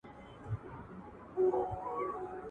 • چيټ که د بل دئ، بدن خو دي خپل دئ.